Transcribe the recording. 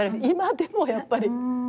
今でもやっぱり。